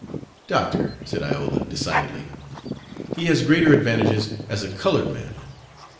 "Doctor," said Iola, decidedly, "he has greater advantages as a colored man."